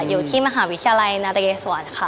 อยู่ที่มหาวิทยาลัยนาตเยสวนค่ะ